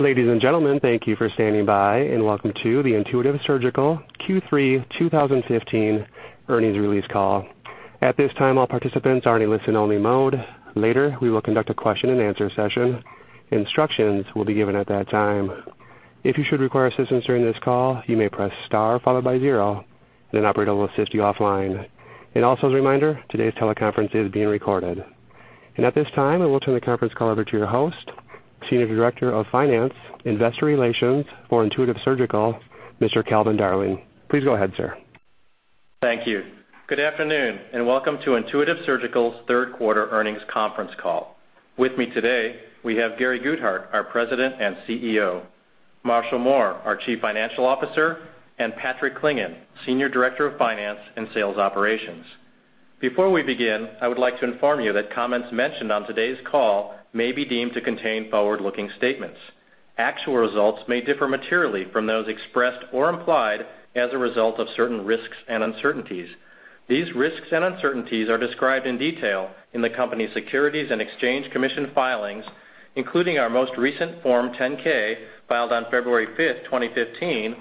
Ladies and gentlemen, thank you for standing by, and welcome to the Intuitive Surgical Q3 2015 earnings release call. At this time, all participants are in a listen-only mode. Later, we will conduct a question-and-answer session. Instructions will be given at that time. If you should require assistance during this call, you may press star followed by zero, then an operator will assist you offline. Also as a reminder, today's teleconference is being recorded. At this time, I will turn the conference call over to your host, Senior Director of Finance, Investor Relations for Intuitive Surgical, Mr. Calvin Darling. Please go ahead, sir. Thank you. Good afternoon, and welcome to Intuitive Surgical's third quarter earnings conference call. With me today, we have Gary Guthart, our President and CEO, Marshall Mohr, our Chief Financial Officer, and Patrick Clingan, Senior Director of Finance and Sales Operations. Before we begin, I would like to inform you that comments mentioned on today's call may be deemed to contain forward-looking statements. Actual results may differ materially from those expressed or implied as a result of certain risks and uncertainties. These risks and uncertainties are described in detail in the company's Securities and Exchange Commission filings, including our most recent Form 10-K filed on February 5th, 2015, and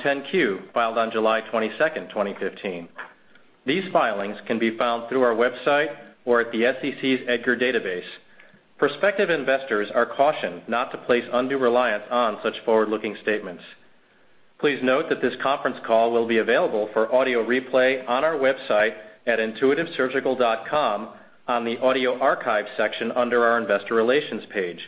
Form 10-Q, filed on July 22nd, 2015. These filings can be found through our website or at the SEC's EDGAR database. Prospective investors are cautioned not to place undue reliance on such forward-looking statements. Please note that this conference call will be available for audio replay on our website at intuitivesurgical.com on the audio archive section under our investor relations page.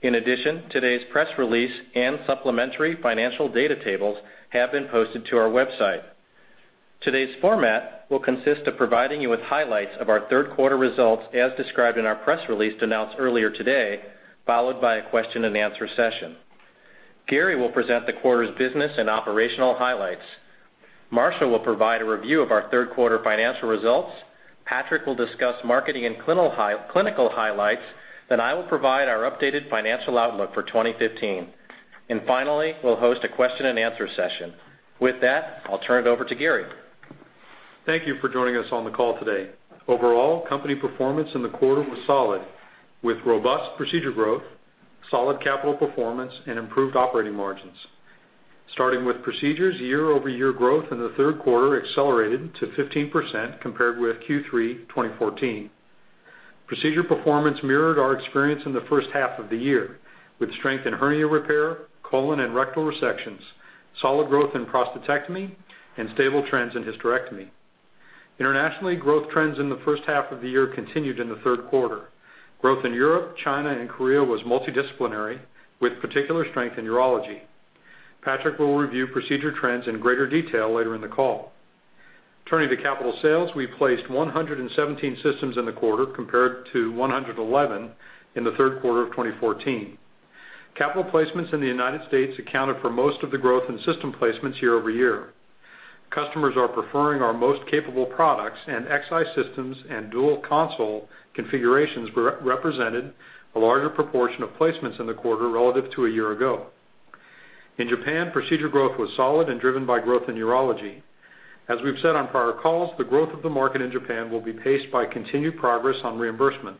In addition, today's press release and supplementary financial data tables have been posted to our website. Today's format will consist of providing you with highlights of our third quarter results as described in our press release announced earlier today, followed by a question-and-answer session. Gary will present the quarter's business and operational highlights. Marshall will provide a review of our third-quarter financial results. Patrick will discuss marketing and clinical highlights. I will provide our updated financial outlook for 2015. Finally, we'll host a question-and-answer session. With that, I'll turn it over to Gary. Thank you for joining us on the call today. Overall, company performance in the quarter was solid, with robust procedure growth, solid capital performance, and improved operating margins. Starting with procedures, year-over-year growth in the third quarter accelerated to 15% compared with Q3 2014. Procedure performance mirrored our experience in the first half of the year, with strength in hernia repair, colon and rectal resections, solid growth in prostatectomy, and stable trends in hysterectomy. Internationally, growth trends in the first half of the year continued in the third quarter. Growth in Europe, China, and Korea was multidisciplinary, with particular strength in urology. Patrick will review procedure trends in greater detail later in the call. Turning to capital sales, we placed 117 systems in the quarter compared to 111 in the third quarter of 2014. Capital placements in the U.S. accounted for most of the growth in system placements year-over-year. Customers are preferring our most capable products. Xi systems and dual console configurations represented a larger proportion of placements in the quarter relative to a year ago. In Japan, procedure growth was solid and driven by growth in urology. As we've said on prior calls, the growth of the market in Japan will be paced by continued progress on reimbursement.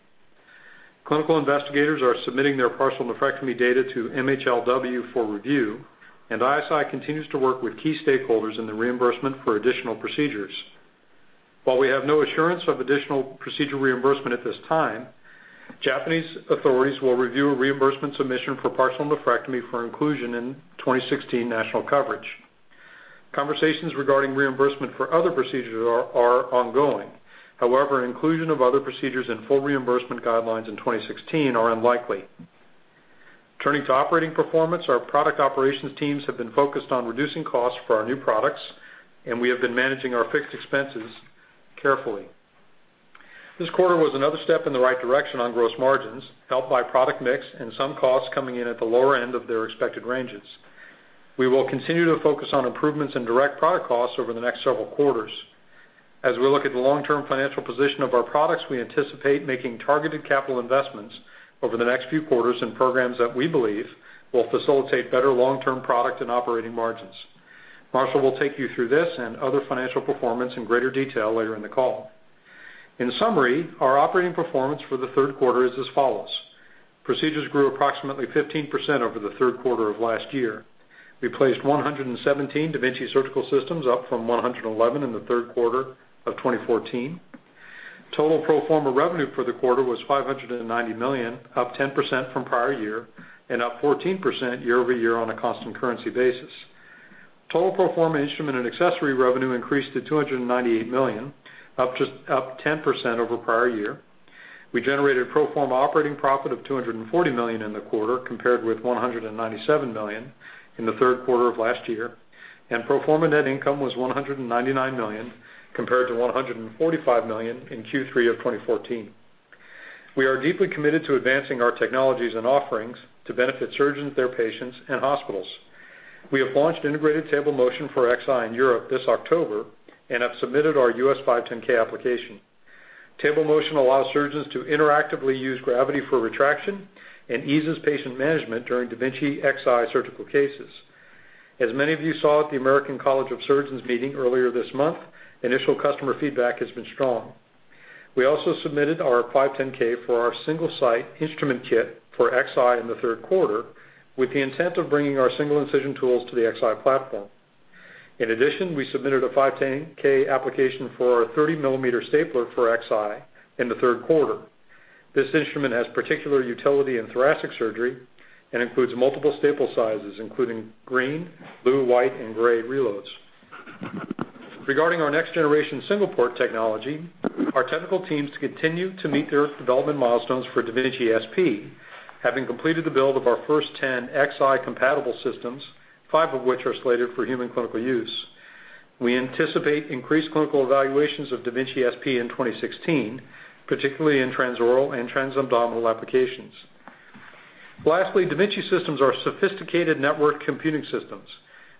Clinical investigators are submitting their partial nephrectomy data to MHLW for review. ISI continues to work with key stakeholders in the reimbursement for additional procedures. While we have no assurance of additional procedure reimbursement at this time, Japanese authorities will review a reimbursement submission for partial nephrectomy for inclusion in 2016 national coverage. Conversations regarding reimbursement for other procedures are ongoing. However, inclusion of other procedures in full reimbursement guidelines in 2016 are unlikely. Turning to operating performance, our product operations teams have been focused on reducing costs for our new products. We have been managing our fixed expenses carefully. This quarter was another step in the right direction on gross margins, helped by product mix and some costs coming in at the lower end of their expected ranges. We will continue to focus on improvements in direct product costs over the next several quarters. As we look at the long-term financial position of our products, we anticipate making targeted capital investments over the next few quarters in programs that we believe will facilitate better long-term product and operating margins. Marshall will take you through this and other financial performance in greater detail later in the call. In summary, our operating performance for the third quarter is as follows. Procedures grew approximately 15% over the third quarter of last year. We placed 117 da Vinci Surgical Systems, up from 111 in the third quarter of 2014. Total pro forma revenue for the quarter was $590 million, up 10% from prior year and up 14% year-over-year on a constant currency basis. Total pro forma instrument and accessory revenue increased to $298 million, up 10% over prior year. We generated pro forma operating profit of $240 million in the quarter, compared with $197 million in the third quarter of last year. Pro forma net income was $199 million, compared to $145 million in Q3 of 2014. We are deeply committed to advancing our technologies and offerings to benefit surgeons, their patients, and hospitals. We have launched Integrated Table Motion for Xi in Europe this October and have submitted our U.S. 510 application. Integrated Table Motion allows surgeons to interactively use gravity for retraction and eases patient management during da Vinci Xi surgical cases. As many of you saw at the American College of Surgeons meeting earlier this month, initial customer feedback has been strong. We also submitted our 510(k) for our Single-Site Instruments and Accessories for Xi in the third quarter, with the intent of bringing our single-incision tools to the Xi platform. In addition, we submitted a 510(k) application for our EndoWrist Stapler 30 for Xi in the third quarter. This instrument has particular utility in thoracic surgery and includes multiple staple sizes, including green, blue, white, and gray reloads. Regarding our next-generation single-port technology, our technical teams continue to meet their development milestones for da Vinci SP. Having completed the build of our first 10 Xi-compatible systems, five of which are slated for human clinical use. We anticipate increased clinical evaluations of da Vinci SP in 2016, particularly in transoral and transabdominal applications. Lastly, da Vinci systems are sophisticated network computing systems.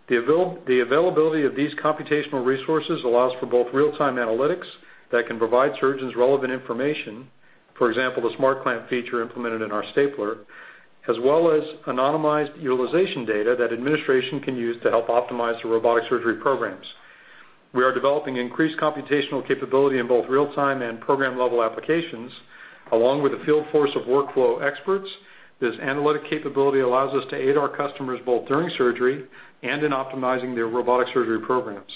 The availability of these computational resources allows for both real-time analytics that can provide surgeons relevant information. For example, the SmartClamp feature implemented in our stapler, as well as anonymized utilization data that administration can use to help optimize the robotic surgery programs. We are developing increased computational capability in both real-time and program-level applications, along with a field force of workflow experts. This analytic capability allows us to aid our customers both during surgery and in optimizing their robotic surgery programs.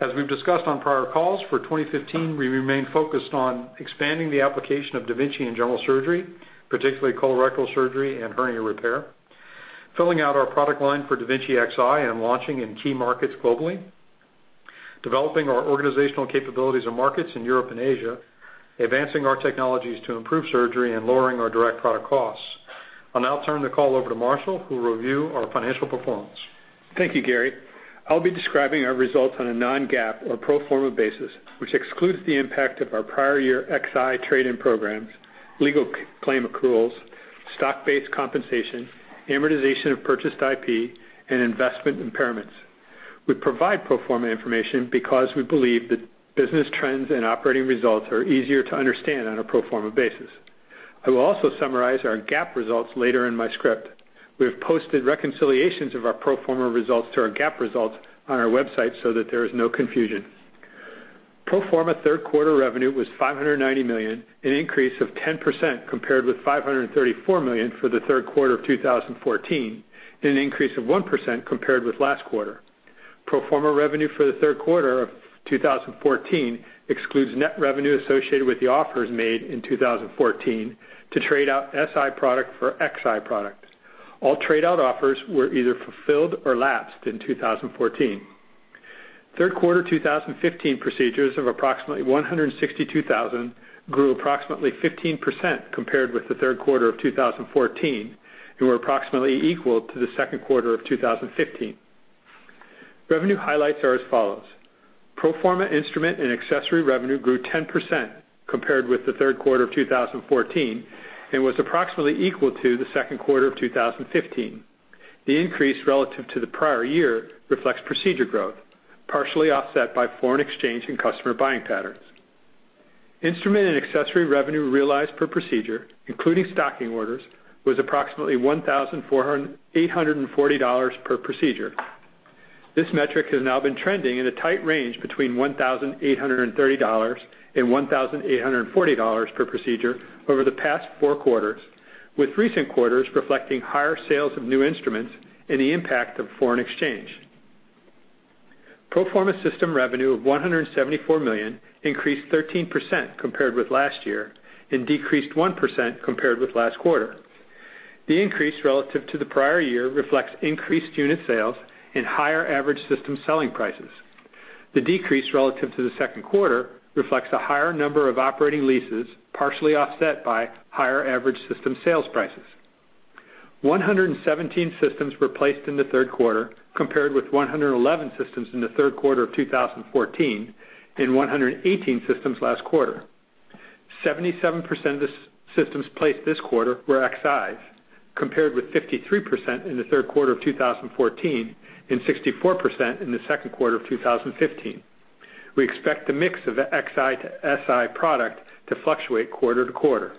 As we've discussed on prior calls, for 2015, we remain focused on expanding the application of da Vinci in general surgery, particularly colorectal surgery and hernia repair, filling out our product line for da Vinci Xi and launching in key markets globally, developing our organizational capabilities and markets in Europe and Asia, advancing our technologies to improve surgery, and lowering our direct product costs. I'll now turn the call over to Marshall, who will review our financial performance. Thank you, Gary. I'll be describing our results on a non-GAAP or pro forma basis, which excludes the impact of our prior year Xi trade-in programs, legal claim accruals, stock-based compensation, amortization of purchased IP, and investment impairments. We provide pro forma information because we believe that business trends and operating results are easier to understand on a pro forma basis. I will also summarize our GAAP results later in my script. We have posted reconciliations of our pro forma results to our GAAP results on our website so that there is no confusion. Pro forma third quarter revenue was $590 million, an increase of 10% compared with $534 million for the third quarter of 2014, and an increase of 1% compared with last quarter. Pro forma revenue for the third quarter of 2014 excludes net revenue associated with the offers made in 2014 to trade out Si product for Xi product. All trade-out offers were either fulfilled or lapsed in 2014. Third quarter 2015 procedures of approximately 162,000 grew approximately 15% compared with the third quarter of 2014 and were approximately equal to the second quarter of 2015. Revenue highlights are as follows. Pro forma instrument and accessory revenue grew 10% compared with the third quarter of 2014 and was approximately equal to the second quarter of 2015. The increase relative to the prior year reflects procedure growth, partially offset by foreign exchange and customer buying patterns. Instrument and accessory revenue realized per procedure, including stocking orders, was approximately $1,840 per procedure. This metric has now been trending in a tight range between $1,830 and $1,840 per procedure over the past four quarters, with recent quarters reflecting higher sales of new instruments and the impact of foreign exchange. Pro forma system revenue of $174 million increased 13% compared with last year and decreased 1% compared with last quarter. The increase relative to the prior year reflects increased unit sales and higher average system selling prices. The decrease relative to the second quarter reflects a higher number of operating leases, partially offset by higher average system sales prices. 117 systems were placed in the third quarter, compared with 111 systems in the third quarter of 2014 and 118 systems last quarter. 77% of the systems placed this quarter were Xis, compared with 53% in the third quarter of 2014 and 64% in the second quarter of 2015. We expect the mix of the Xi to Si product to fluctuate quarter to quarter.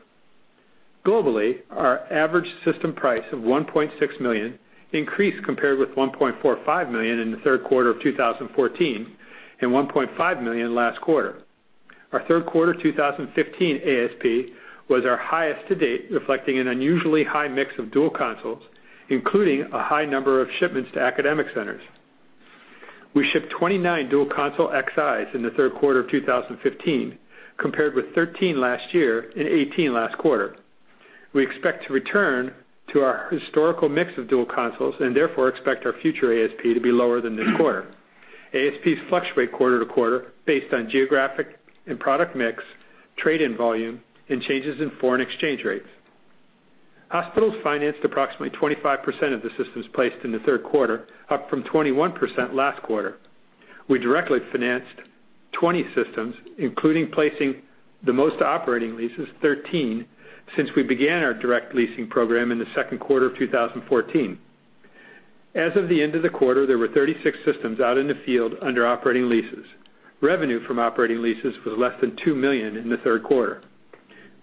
Globally, our average system price of $1.6 million increased compared with $1.45 million in the third quarter of 2014 and $1.5 million last quarter. Our third quarter 2015 ASP was our highest to date, reflecting an unusually high mix of dual consoles, including a high number of shipments to academic centers. We shipped 29 dual console Xis in the third quarter of 2015, compared with 13 last year and 18 last quarter. We expect to return to our historical mix of dual consoles and therefore expect our future ASP to be lower than this quarter. ASPs fluctuate quarter to quarter based on geographic and product mix, trade-in volume, and changes in foreign exchange rates. Hospitals financed approximately 25% of the systems placed in the third quarter, up from 21% last quarter. We directly financed 20 systems, including placing the most operating leases, 13, since we began our direct leasing program in the second quarter of 2014. As of the end of the quarter, there were 36 systems out in the field under operating leases. Revenue from operating leases was less than $2 million in the third quarter.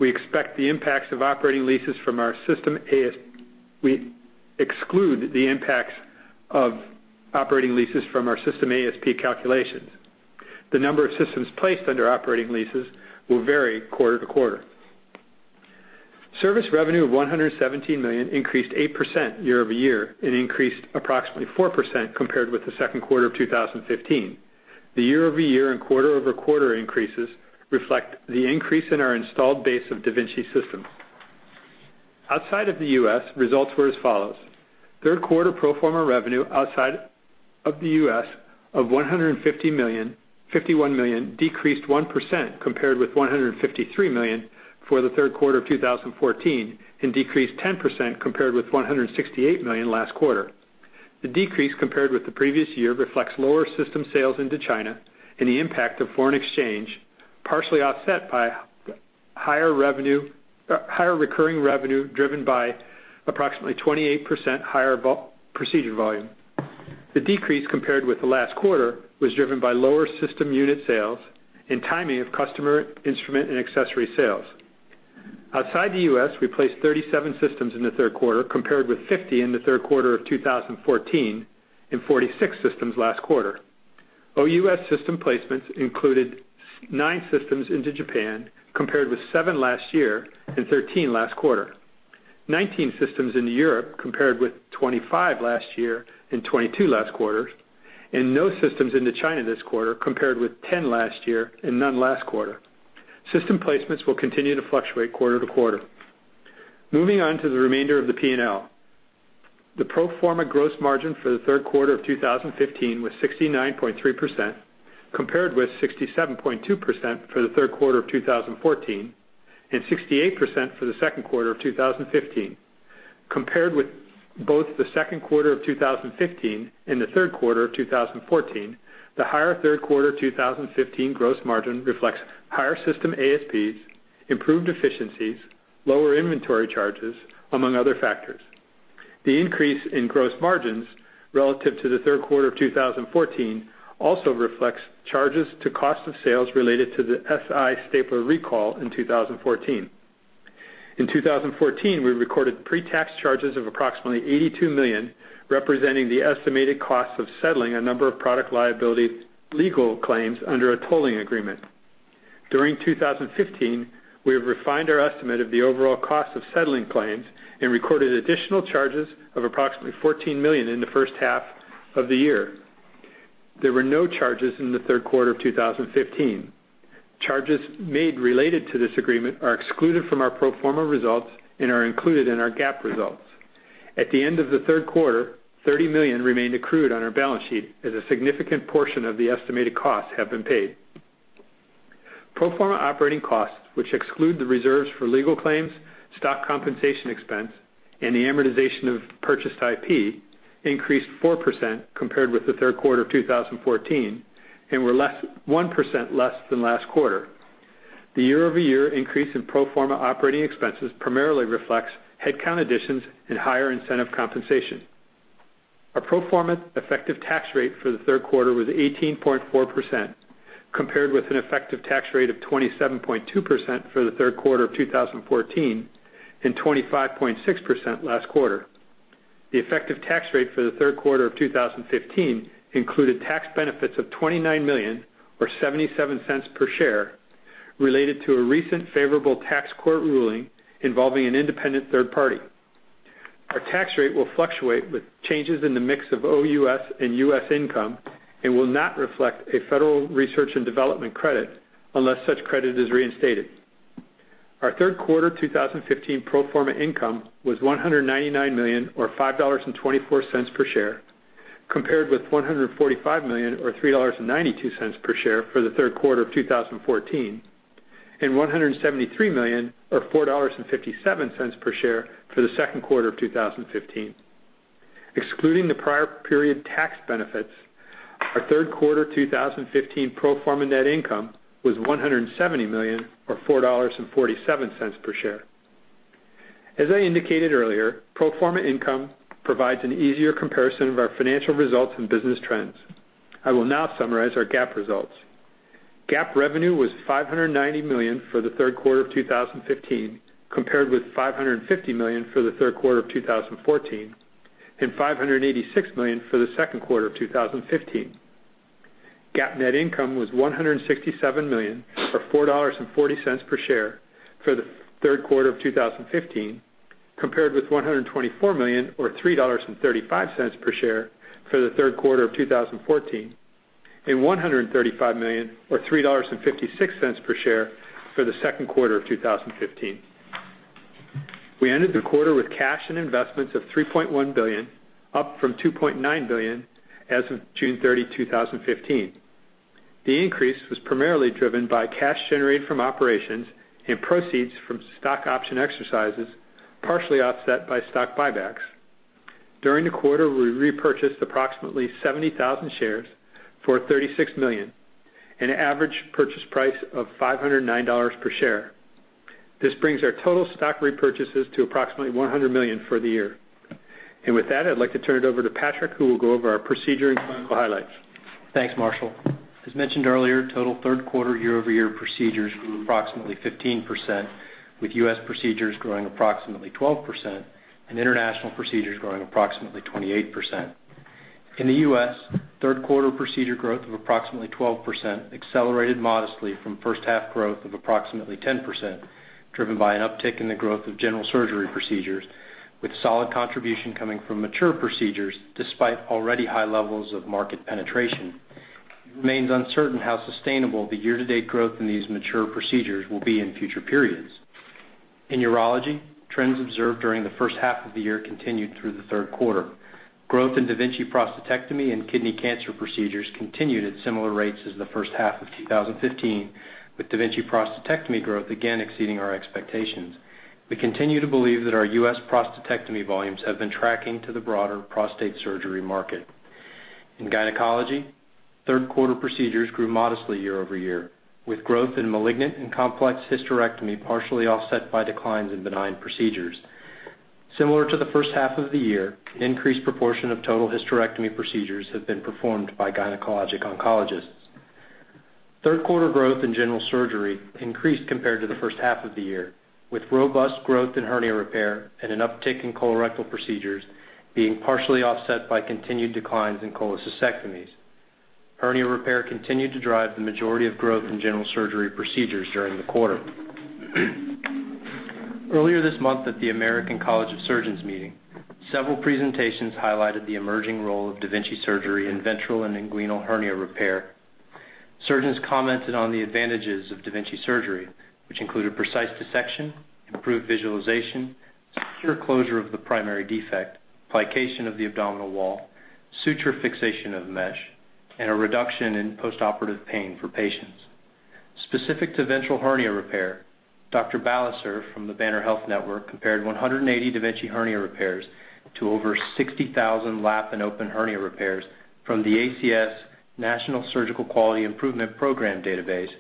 We exclude the impacts of operating leases from our system ASP calculations. The number of systems placed under operating leases will vary quarter to quarter. Service revenue of $117 million increased 8% year-over-year and increased approximately 4% compared with the second quarter of 2015. The year-over-year and quarter-over-quarter increases reflect the increase in our installed base of da Vinci systems. Outside of the U.S., results were as follows. Third quarter pro forma revenue outside of the U.S. of $150 million, $51 million decreased 1% compared with $153 million for the third quarter of 2014, and decreased 10% compared with $168 million last quarter. The decrease compared with the previous year reflects lower system sales into China and the impact of foreign exchange, partially offset by higher recurring revenue driven by approximately 28% higher procedure volume. The decrease compared with the last quarter was driven by lower system unit sales and timing of customer instrument and accessory sales. Outside the U.S., we placed 37 systems in the third quarter, compared with 50 in the third quarter of 2014 and 46 systems last quarter. OUS system placements included nine systems into Japan, compared with seven last year and 13 last quarter. 19 systems into Europe, compared with 25 last year and 22 last quarter, and no systems into China this quarter, compared with 10 last year and none last quarter. System placements will continue to fluctuate quarter-to-quarter. Moving on to the remainder of the P&L. The pro forma gross margin for the third quarter of 2015 was 69.3%, compared with 67.2% for the third quarter of 2014 and 68% for the second quarter of 2015. Compared with both the second quarter of 2015 and the third quarter of 2014, the higher third quarter 2015 gross margin reflects higher system ASPs, improved efficiencies, lower inventory charges, among other factors. The increase in gross margins relative to the third quarter of 2014 also reflects charges to cost of sales related to the Si stapler recall in 2014. In 2014, we recorded pre-tax charges of approximately $82 million, representing the estimated cost of settling a number of product liability legal claims under a tolling agreement. During 2015, we have refined our estimate of the overall cost of settling claims and recorded additional charges of approximately $14 million in the first half of the year. There were no charges in the third quarter of 2015. Charges made related to this agreement are excluded from our pro forma results and are included in our GAAP results. At the end of the third quarter, $30 million remained accrued on our balance sheet as a significant portion of the estimated costs have been paid. Pro forma operating costs, which exclude the reserves for legal claims, stock compensation expense, and the amortization of purchased IP, increased 4% compared with the third quarter of 2014 and were 1% less than last quarter. The year-over-year increase in pro forma operating expenses primarily reflects headcount additions and higher incentive compensation. Our pro forma effective tax rate for the third quarter was 18.4%, compared with an effective tax rate of 27.2% for the third quarter of 2014 and 25.6% last quarter. The effective tax rate for the third quarter of 2015 included tax benefits of $29 million, or $0.77 per share, related to a recent favorable tax court ruling involving an independent third party. Our tax rate will fluctuate with changes in the mix of OUS and U.S. income and will not reflect a federal R&D credit unless such credit is reinstated. Our third quarter 2015 pro forma income was $199 million, or $5.24 per share, compared with $145 million or $3.92 per share for the third quarter of 2014 and $173 million or $4.57 per share for the second quarter of 2015. Excluding the prior period tax benefits, our third quarter 2015 pro forma net income was $170 million or $4.47 per share. As I indicated earlier, pro forma income provides an easier comparison of our financial results and business trends. I will now summarize our GAAP results. GAAP revenue was $590 million for the third quarter of 2015, compared with $550 million for the third quarter of 2014 and $586 million for the second quarter of 2015. GAAP net income was $167 million, or $4.40 per share for the third quarter of 2015, compared with $124 million or $3.35 per share for the third quarter of 2014 and $135 million or $3.56 per share for the second quarter of 2015. We ended the quarter with cash and investments of $3.1 billion, up from $2.9 billion as of June 30, 2015. The increase was primarily driven by cash generated from operations and proceeds from stock option exercises, partially offset by stock buybacks. During the quarter, we repurchased approximately 70,000 shares for $36 million and an average purchase price of $509 per share. This brings our total stock repurchases to approximately $100 million for the year. With that, I'd like to turn it over to Patrick, who will go over our procedure and financial highlights. Thanks, Marshall. As mentioned earlier, total third quarter year-over-year procedures grew approximately 15%, with U.S. procedures growing approximately 12% and international procedures growing approximately 28%. In the U.S., third quarter procedure growth of approximately 12% accelerated modestly from first half growth of approximately 10%, driven by an uptick in the growth of general surgery procedures, with solid contribution coming from mature procedures despite already high levels of market penetration. It remains uncertain how sustainable the year-to-date growth in these mature procedures will be in future periods. In urology, trends observed during the first half of the year continued through the third quarter. Growth in da Vinci prostatectomy and kidney cancer procedures continued at similar rates as the first half of 2015, with da Vinci prostatectomy growth again exceeding our expectations. We continue to believe that our U.S. prostatectomy volumes have been tracking to the broader prostate surgery market. In gynecology, third quarter procedures grew modestly year-over-year, with growth in malignant and complex hysterectomy partially offset by declines in benign procedures. Similar to the first half of the year, increased proportion of total hysterectomy procedures have been performed by gynecologic oncologists. Third quarter growth in general surgery increased compared to the first half of the year, with robust growth in hernia repair and an uptick in colorectal procedures being partially offset by continued declines in cholecystectomies. Hernia repair continued to drive the majority of growth in general surgery procedures during the quarter. Earlier this month at the American College of Surgeons meeting, several presentations highlighted the emerging role of da Vinci surgery in ventral and inguinal hernia repair. Surgeons commented on the advantages of da Vinci surgery, which included precise dissection, improved visualization, secure closure of the primary defect, plication of the abdominal wall, suture fixation of mesh, and a reduction in postoperative pain for patients. Specific to ventral hernia repair, Dr. Ballecer from the Banner Health Network compared 180 da Vinci hernia repairs to over 60,000 lap and open hernia repairs from the ACS National Surgical Quality Improvement Program database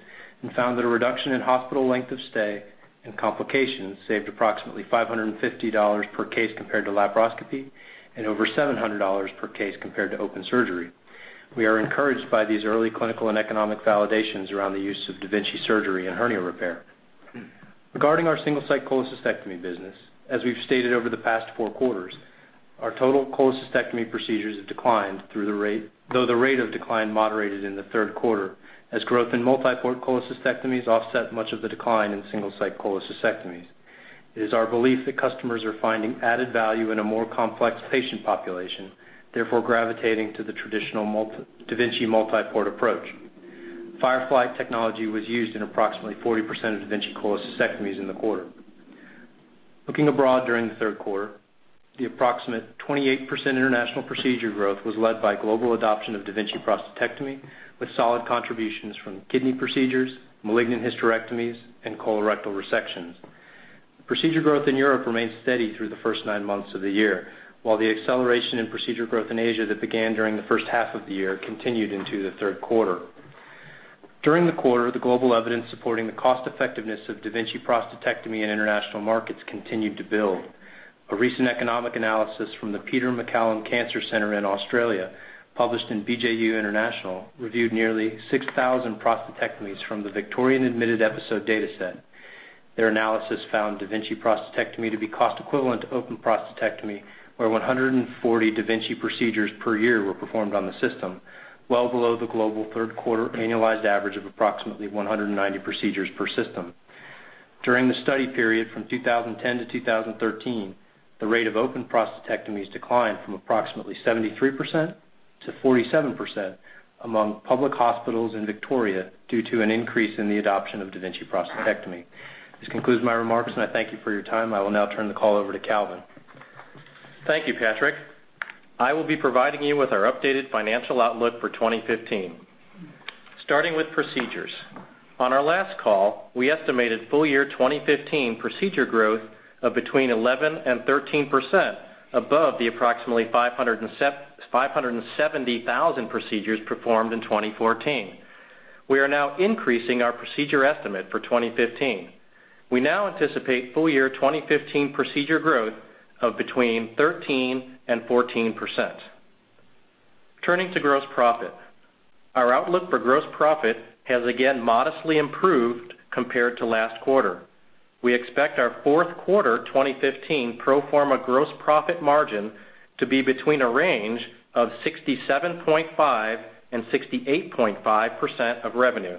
and found that a reduction in hospital length of stay and complications saved approximately $550 per case compared to laparoscopy and over $700 per case compared to open surgery. We are encouraged by these early clinical and economic validations around the use of da Vinci surgery in hernia repair. Regarding our single-site cholecystectomy business, as we've stated over the past four quarters, our total cholecystectomy procedures have declined, though the rate of decline moderated in the third quarter, as growth in multi-port cholecystectomies offset much of the decline in single-site cholecystectomies. It is our belief that customers are finding added value in a more complex patient population, therefore gravitating to the traditional da Vinci multi-port approach. Firefly technology was used in approximately 40% of da Vinci cholecystectomies in the quarter. Looking abroad during the third quarter, the approximate 28% international procedure growth was led by global adoption of da Vinci prostatectomy, with solid contributions from kidney procedures, malignant hysterectomies, and colorectal resections. Procedure growth in Europe remained steady through the first nine months of the year, while the acceleration in procedure growth in Asia that began during the first half of the year continued into the third quarter. During the quarter, the global evidence supporting the cost effectiveness of da Vinci prostatectomy in international markets continued to build. A recent economic analysis from the Peter MacCallum Cancer Centre in Australia, published in BJU International, reviewed nearly 6,000 prostatectomies from the Victorian Admitted Episodes Dataset. Their analysis found da Vinci prostatectomy to be cost equivalent to open prostatectomy, where 140 da Vinci procedures per year were performed on the system, well below the global third quarter annualized average of approximately 190 procedures per system. During the study period from 2010 to 2013, the rate of open prostatectomies declined from approximately 73% to 47% among public hospitals in Victoria due to an increase in the adoption of da Vinci prostatectomy. This concludes my remarks, and I thank you for your time. I will now turn the call over to Calvin. Thank you, Patrick. I will be providing you with our updated financial outlook for 2015. Starting with procedures. On our last call, we estimated full year 2015 procedure growth of between 11%-13% above the approximately 570,000 procedures performed in 2014. We are now increasing our procedure estimate for 2015. We now anticipate full year 2015 procedure growth of between 13%-14%. Turning to gross profit. Our outlook for gross profit has again modestly improved compared to last quarter. We expect our fourth quarter 2015 pro forma gross profit margin to be between a range of 67.5%-68.5% of revenue.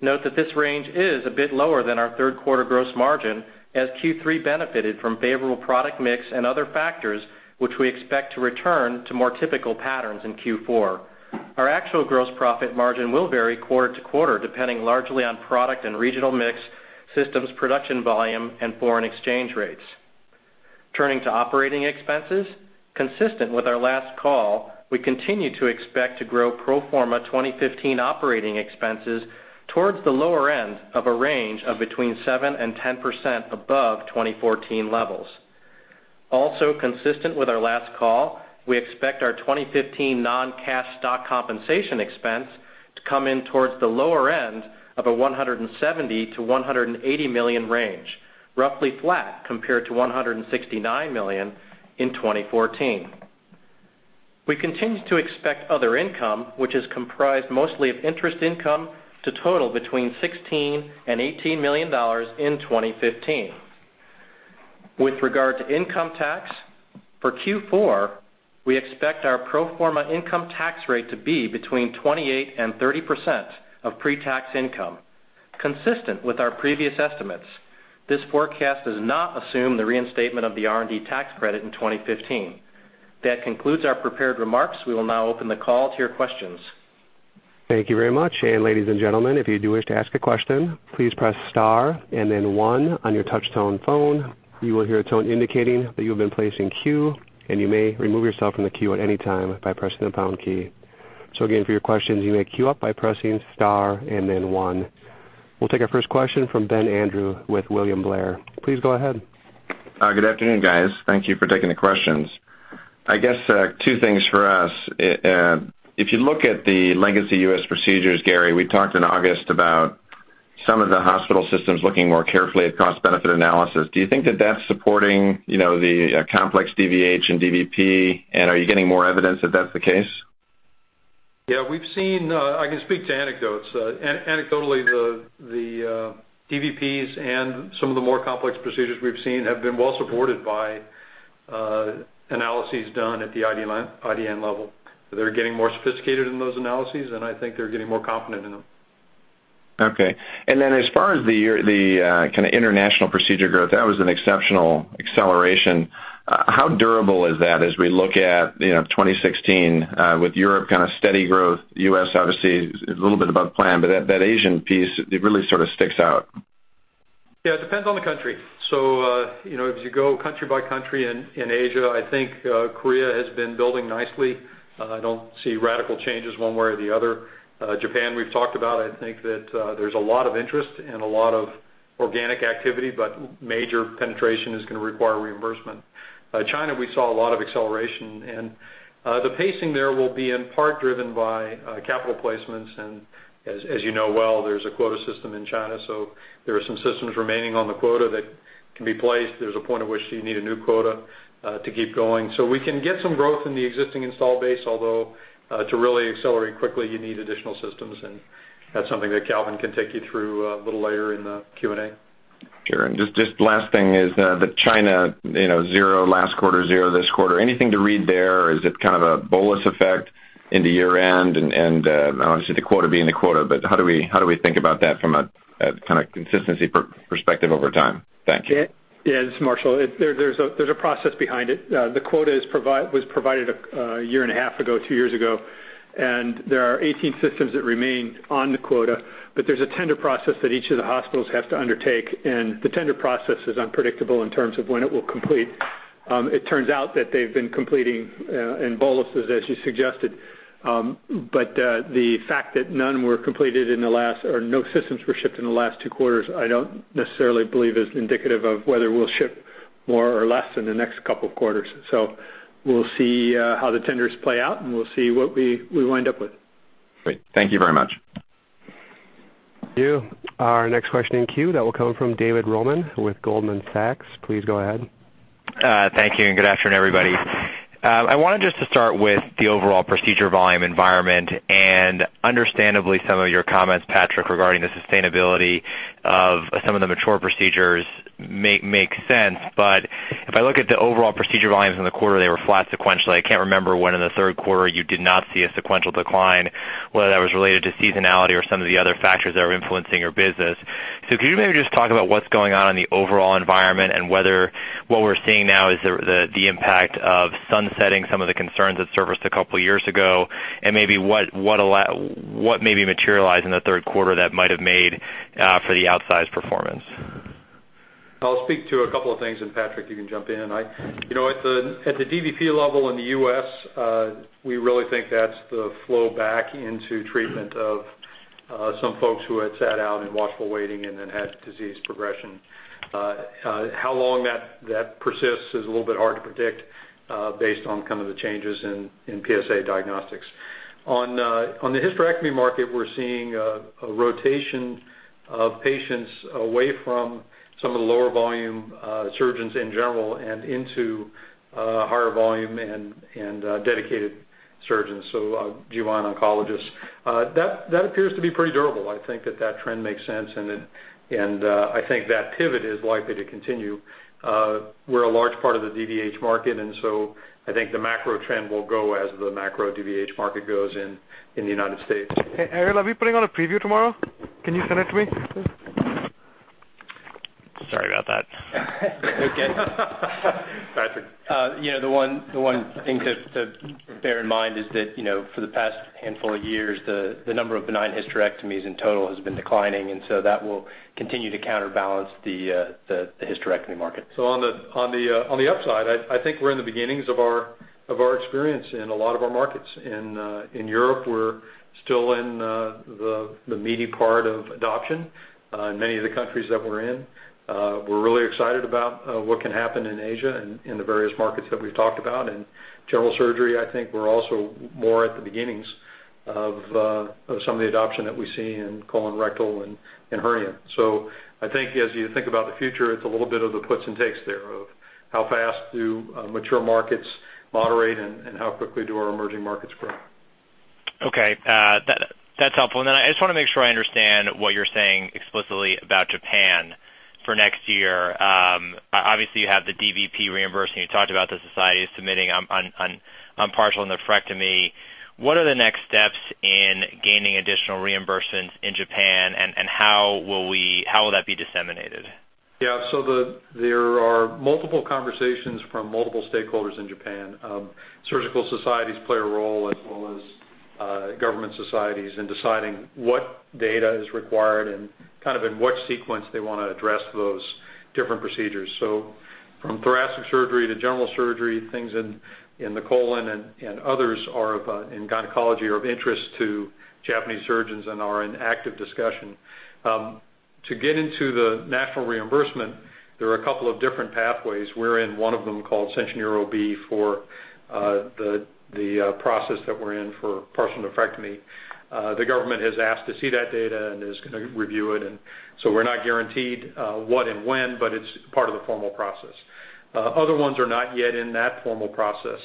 Note that this range is a bit lower than our third quarter gross margin, as Q3 benefited from favorable product mix and other factors, which we expect to return to more typical patterns in Q4. Our actual gross profit margin will vary quarter to quarter, depending largely on product and regional mix, systems production volume, and foreign exchange rates. Turning to operating expenses. Consistent with our last call, we continue to expect to grow pro forma 2015 operating expenses towards the lower end of a range of between 7% and 10% above 2014 levels. Also consistent with our last call, we expect our 2015 non-cash stock compensation expense to come in towards the lower end of a $170 million to $180 million range, roughly flat compared to $169 million in 2014. We continue to expect other income, which is comprised mostly of interest income, to total between $16 million and $18 million in 2015. With regard to income tax, for Q4, we expect our pro forma income tax rate to be between 28% and 30% of pre-tax income, consistent with our previous estimates. This forecast does not assume the reinstatement of the R&D tax credit in 2015. That concludes our prepared remarks. We will now open the call to your questions. Thank you very much. Ladies and gentlemen, if you do wish to ask a question, please press star and then one on your touchtone phone. You will hear a tone indicating that you have been placed in queue, and you may remove yourself from the queue at any time by pressing the pound key. Again, for your questions, you may queue up by pressing star and then one. We'll take our first question from Ben Andrew with William Blair. Please go ahead. Good afternoon, guys. Thank you for taking the questions. I guess two things for us. If you look at the legacy U.S. procedures, Gary, we talked in August about some of the hospital systems looking more carefully at cost-benefit analysis. Do you think that that's supporting the complex DVH and DVP, and are you getting more evidence that that's the case? Yeah, I can speak to anecdotes. Anecdotally, the DVPs and some of the more complex procedures we've seen have been well supported by analyses done at the IDN level. They're getting more sophisticated in those analyses, and I think they're getting more confident in them. Okay. As far as the kind of international procedure growth, that was an exceptional acceleration. How durable is that as we look at 2016 with Europe kind of steady growth, U.S. obviously a little bit above plan, but that Asian piece, it really sort of sticks out. Yeah, it depends on the country. As you go country by country in Asia, I think Korea has been building nicely. I don't see radical changes one way or the other. Japan, we've talked about, I think that there's a lot of interest and a lot of organic activity, but major penetration is going to require reimbursement. China, we saw a lot of acceleration, and the pacing there will be in part driven by capital placements, and as you know well, there's a quota system in China, so there are some systems remaining on the quota that can be placed. There's a point at which you need a new quota to keep going. We can get some growth in the existing install base, although to really accelerate quickly, you need additional systems, and that's something that Calvin can take you through a little later in the Q&A. Sure. Just last thing is the China zero last quarter, zero this quarter. Anything to read there or is it kind of a bolus effect into year-end and obviously the quota being the quota, but how do we think about that from a kind of consistency perspective over time? Thank you. This is Marshall. There's a process behind it. The quota was provided a year and a half ago, 2 years ago. There are 18 systems that remain on the quota. There's a tender process that each of the hospitals have to undertake. The tender process is unpredictable in terms of when it will complete. It turns out that they've been completing in boluses, as you suggested. The fact that none were completed in the last, or no systems were shipped in the last 2 quarters, I don't necessarily believe is indicative of whether we'll ship more or less in the next couple of quarters. We'll see how the tenders play out, and we'll see what we wind up with. Great. Thank you very much. Thank you. Our next question in queue that will come from David Roman with Goldman Sachs. Please go ahead. Thank you. Good afternoon, everybody. I wanted just to start with the overall procedure volume environment. Understandably some of your comments, Patrick, regarding the sustainability of some of the mature procedures make sense. If I look at the overall procedure volumes in the quarter, they were flat sequentially. I can't remember when in the third quarter you did not see a sequential decline, whether that was related to seasonality or some of the other factors that are influencing your business. Could you maybe just talk about what's going on in the overall environment and whether what we're seeing now is the impact of sunsetting some of the concerns that surfaced a couple of years ago, and maybe what maybe materialized in the third quarter that might have made for the outsized performance? I'll speak to a couple of things. Patrick, you can jump in. At the DVP level in the U.S., we really think that's the flow back into treatment of some folks who had sat out in watchful waiting and then had disease progression. How long that persists is a little bit hard to predict based on kind of the changes in PSA diagnostics. On the hysterectomy market, we're seeing a rotation of patients away from some of the lower volume surgeons in general and into higher volume and dedicated surgeons, so GYN oncologists. That appears to be pretty durable. I think that trend makes sense, I think that pivot is likely to continue. We're a large part of the DVH market, I think the macro trend will go as the macro DVH market goes in the U.S. Ariel, are we putting on a preview tomorrow? Can you send it to me, please? Sorry about that. Patrick. The one thing to bear in mind is that for the past handful of years, the number of benign hysterectomies in total has been declining. That will continue to counterbalance the hysterectomy market. On the upside, I think we're in the beginnings of our experience in a lot of our markets. In Europe, we're still in the meaty part of adoption in many of the countries that we're in. We're really excited about what can happen in Asia and in the various markets that we've talked about. In general surgery, I think we're also more at the beginnings of some of the adoption that we see in colon rectal and hernia. I think as you think about the future, it's a little bit of the puts and takes there of how fast do mature markets moderate and how quickly do our emerging markets grow. Okay. That's helpful. I just want to make sure I understand what you're saying explicitly about Japan for next year. Obviously, you have the DVP reimbursing. You talked about the societies submitting on partial nephrectomy. What are the next steps in gaining additional reimbursements in Japan, and how will that be disseminated? Yeah. There are multiple conversations from multiple stakeholders in Japan. Surgical societies play a role, as well as government societies in deciding what data is required and in what sequence they want to address those different procedures. From thoracic surgery to general surgery, things in the colon and others in gynecology are of interest to Japanese surgeons and are in active discussion. To get into the national reimbursement, there are a couple of different pathways. We're in one of them called Senshinryo B for the process that we're in for partial nephrectomy. The government has asked to see that data and is going to review it. We're not guaranteed what and when, but it's part of the formal process. Other ones are not yet in that formal process.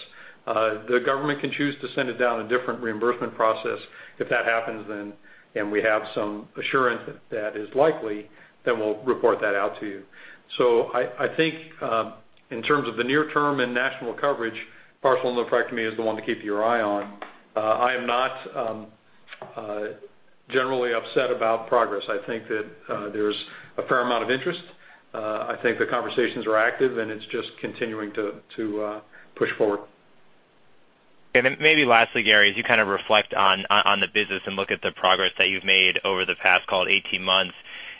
The government can choose to send it down a different reimbursement process. If that happens, and we have some assurance that that is likely, we'll report that out to you. I think, in terms of the near term and national coverage, partial nephrectomy is the one to keep your eye on. I am not generally upset about progress. I think that there's a fair amount of interest. I think the conversations are active, and it's just continuing to push forward. Maybe lastly, Gary, as you reflect on the business and look at the progress that you've made over the past, call it 18 months,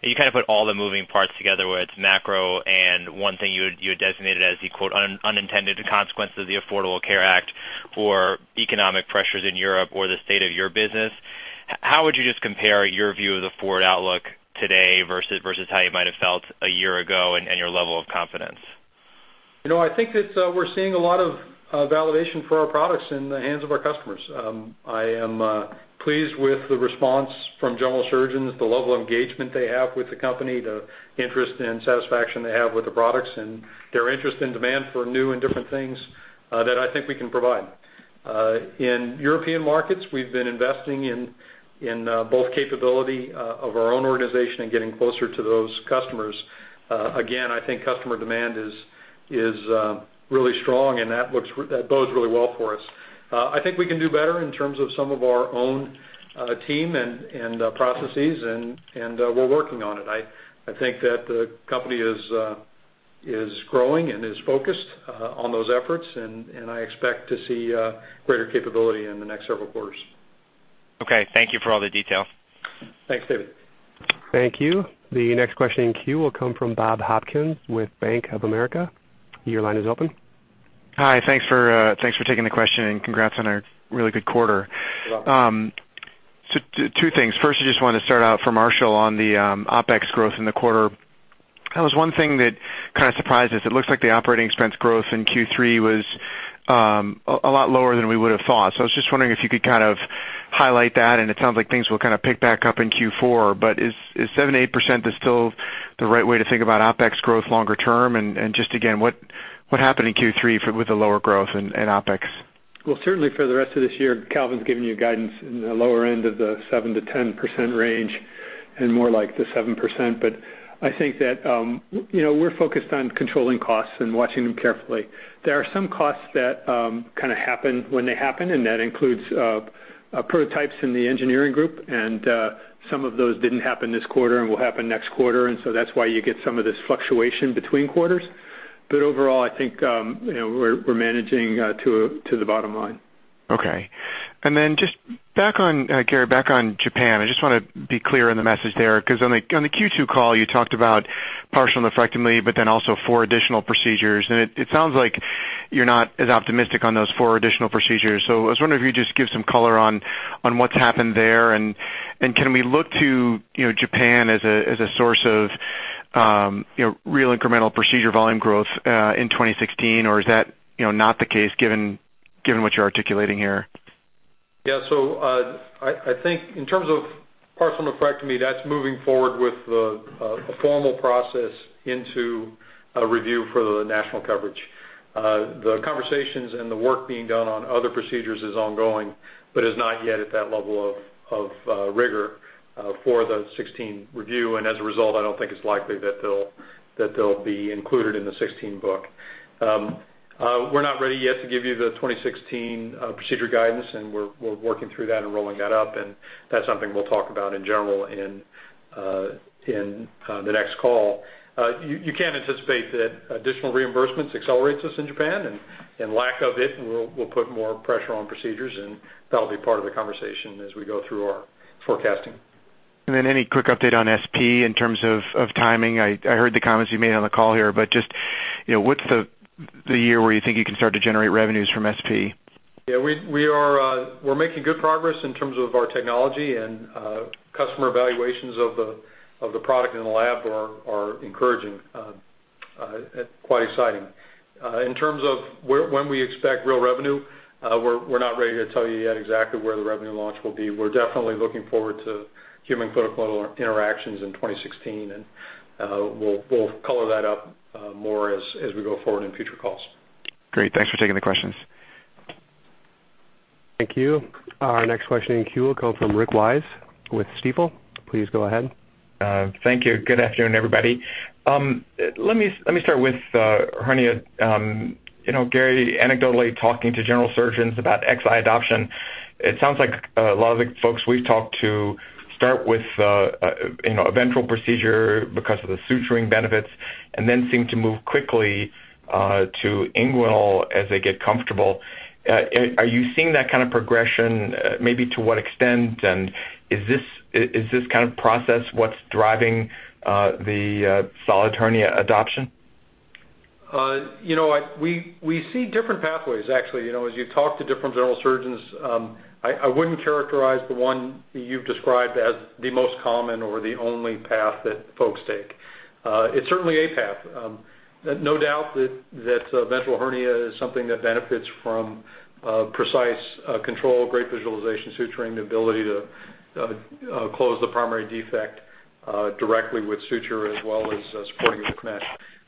you put all the moving parts together, whether it's macro and one thing you had designated as the quote, "unintended consequence of the Affordable Care Act" or economic pressures in Europe or the state of your business, how would you just compare your view of the forward outlook today versus how you might have felt a year ago and your level of confidence? I think that we're seeing a lot of validation for our products in the hands of our customers. I am pleased with the response from general surgeons, the level of engagement they have with the company, the interest and satisfaction they have with the products, and their interest and demand for new and different things that I think we can provide. In European markets, we've been investing in both capability of our own organization and getting closer to those customers. Again, I think customer demand is really strong, and that bodes really well for us. I think we can do better in terms of some of our own team and processes, and we're working on it. I think that the company is growing and is focused on those efforts, and I expect to see greater capability in the next several quarters. Okay. Thank you for all the detail. Thanks, David. Thank you. The next question in queue will come from Bob Hopkins with Bank of America. Your line is open. Hi, thanks for taking the question, and congrats on a really good quarter. You're welcome. Two things. First, I just wanted to start out for Marshall on the OpEx growth in the quarter. That was one thing that kind of surprised us. It looks like the operating expense growth in Q3 was a lot lower than we would've thought. I was just wondering if you could kind of highlight that, and it sounds like things will kind of pick back up in Q4, but is 7%-8% is still the right way to think about OpEx growth longer term? Just again, what happened in Q3 with the lower growth in OpEx? Well, certainly for the rest of this year, Calvin's given you guidance in the lower end of the 7%-10% range and more like the 7%. I think that we're focused on controlling costs and watching them carefully. There are some costs that kind of happen when they happen, and that includes prototypes in the engineering group. Some of those didn't happen this quarter and will happen next quarter. That's why you get some of this fluctuation between quarters. Overall, I think we're managing to the bottom line. Okay. Just Gary, back on Japan, I just want to be clear on the message there, because on the Q2 call, you talked about partial nephrectomy, but then also four additional procedures. It sounds like you're not as optimistic on those four additional procedures. I was wondering if you could just give some color on what's happened there, and can we look to Japan as a source of real incremental procedure volume growth in 2016? Is that not the case given what you're articulating here? Yeah. I think in terms of partial nephrectomy, that's moving forward with a formal process into a review for the national coverage. The conversations and the work being done on other procedures is ongoing, but is not yet at that level of rigor for the 16 review. As a result, I don't think it's likely that they'll be included in the 16 book. We're not ready yet to give you the 2016 procedure guidance, and we're working through that and rolling that up, and that's something we'll talk about in general in the next call. You can anticipate that additional reimbursements accelerates us in Japan, and lack of it will put more pressure on procedures, and that'll be part of the conversation as we go through our forecasting. Any quick update on da Vinci SP in terms of timing? I heard the comments you made on the call here, but just what's the year where you think you can start to generate revenues from da Vinci SP? Yeah, we're making good progress in terms of our technology and customer evaluations of the product in the lab are encouraging, quite exciting. In terms of when we expect real revenue, we're not ready to tell you yet exactly where the revenue launch will be. We're definitely looking forward to human clinical interactions in 2016, and we'll color that up more as we go forward in future calls. Great. Thanks for taking the questions. Thank you. Our next question in queue will come from Rick Wise with Stifel. Please go ahead. Thank you. Good afternoon, everybody. Let me start with hernia. Gary, anecdotally talking to general surgeons about XI adoption, it sounds like a lot of the folks we've talked to start with a ventral procedure because of the suturing benefits and then seem to move quickly to inguinal as they get comfortable. Are you seeing that kind of progression? Maybe to what extent, and is this kind of process what's driving the solid hernia adoption? We see different pathways, actually, as you talk to different general surgeons. I wouldn't characterize the one you've described as the most common or the only path that folks take. It's certainly a path. No doubt that ventral hernia is something that benefits from precise control, great visualization, suturing, the ability to close the primary defect directly with suture, as well as supporting with mesh.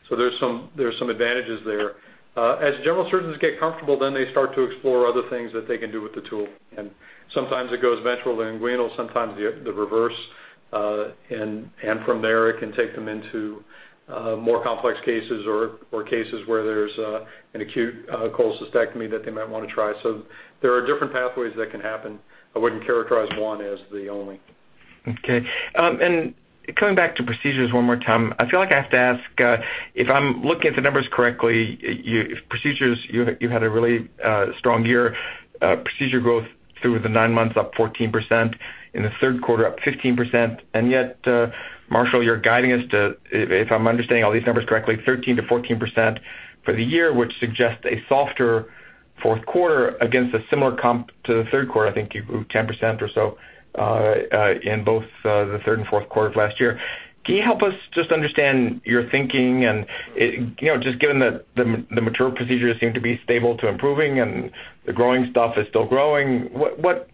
There's some advantages there. As general surgeons get comfortable, they start to explore other things that they can do with the tool, and sometimes it goes ventral to inguinal, sometimes the reverse. From there, it can take them into more complex cases or cases where there's an acute cholecystectomy that they might want to try. There are different pathways that can happen. I wouldn't characterize one as the only. Okay. Coming back to procedures one more time, I feel like I have to ask, if I'm looking at the numbers correctly, procedures, you had a really strong year of procedure growth through the nine months, up 14%, in the third quarter, up 15%. Yet, Marshall, you're guiding us to, if I'm understanding all these numbers correctly, 13%-14% for the year, which suggests a softer fourth quarter against a similar comp to the third quarter. I think you grew 10% or so in both the third and fourth quarter of last year. Can you help us just understand your thinking and just given that the mature procedures seem to be stable to improving and the growing stuff is still growing, what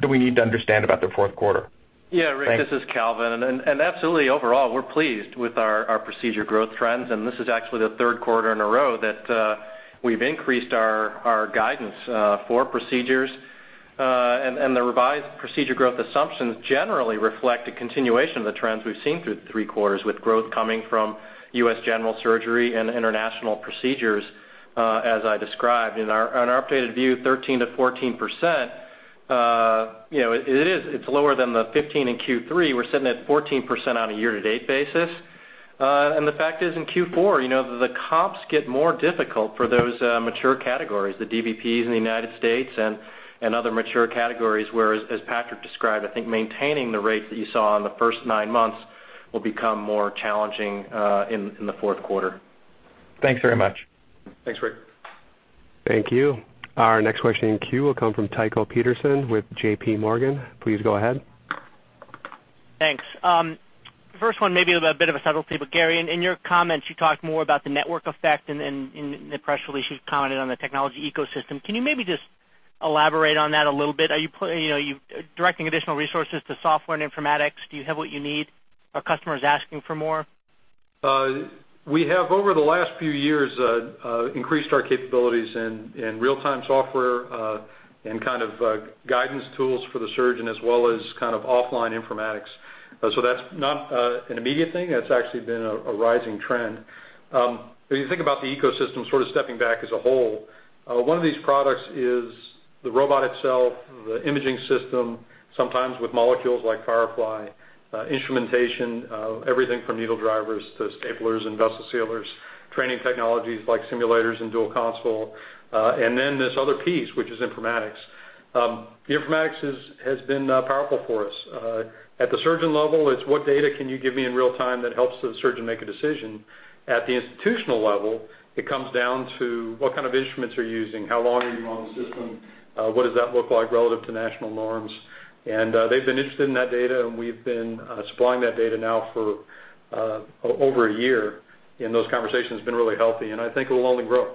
do we need to understand about the fourth quarter? Yeah, Rick, this is Calvin, absolutely, overall, we're pleased with our procedure growth trends. This is actually the third quarter in a row that we've increased our guidance for procedures. The revised procedure growth assumptions generally reflect a continuation of the trends we've seen through the three quarters, with growth coming from U.S. general surgery and international procedures, as I described. In our updated view, 13%-14%, it's lower than the 15% in Q3. We're sitting at 14% on a year-to-date basis. The fact is, in Q4, the comps get more difficult for those mature categories, the DVPs in the United States and other mature categories, whereas, as Patrick described, I think maintaining the rates that you saw in the first nine months will become more challenging in the fourth quarter. Thanks very much. Thanks, Rick. Thank you. Our next question in queue will come from Tycho Peterson with JPMorgan. Please go ahead. Thanks. First one maybe a bit of a subtle take, Gary, in your comments, you talked more about the network effect and in the press release, you've commented on the technology ecosystem. Can you maybe just elaborate on that a little bit? Are you directing additional resources to software and informatics? Do you have what you need? Are customers asking for more? We have, over the last few years, increased our capabilities in real-time software, and kind of guidance tools for the surgeon as well as kind of offline informatics. That's not an immediate thing. That's actually been a rising trend. If you think about the ecosystem sort of stepping back as a whole, one of these products is the robot itself, the imaging system, sometimes with molecules like Firefly, instrumentation, everything from needle drivers to staplers and vessel sealers, training technologies like simulators and dual console, and then this other piece, which is informatics. The informatics has been powerful for us. At the surgeon level, it's what data can you give me in real time that helps the surgeon make a decision. At the institutional level, it comes down to what kind of instruments are you using, how long are you on the system? What does that look like relative to national norms? They've been interested in that data, we've been supplying that data now for over a year, those conversations have been really healthy, I think it will only grow.